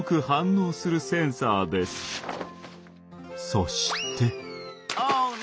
そして。